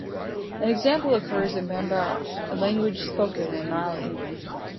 An example occurs in Bambara, a language spoken in Mali.